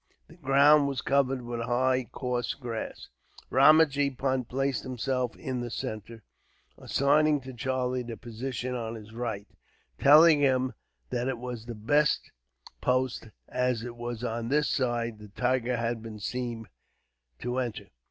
The ground was covered with high, coarse grass. Ramajee Punt placed himself in the centre, assigning to Charlie the position on his right, telling him that it was the best post, as it was on this side the tiger had been seen to enter.